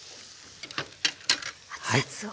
熱々を。